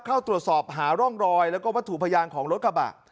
เข้าตรวจสอบหาร่องรอยแล้วก็วัตถุพยานของรถกระบะ